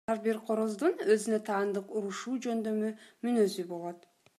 Ар бир короздун өзүнө таандык урушуу жөндөмү, мүнөзү болот.